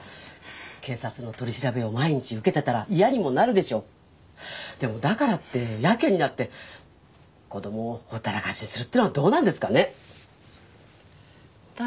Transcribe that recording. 警察の取り調べを毎日受けてたら嫌にもなるでしょうでもだからってやけになって子どもをほったらかしにするってのはどうなんですかね誰？